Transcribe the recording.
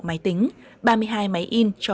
máy tính ba mươi hai máy in cho